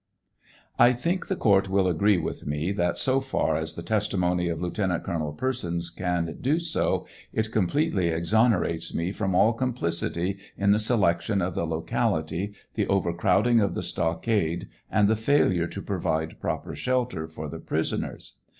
I think the court will agree with me that so far as the testimony of Lieutenant Colonel Persons can do so it completely exonerates me from all complicity in the selection of the locality, the overcrowding of the stockade, and the failure to provide proper shelter for the prisoners.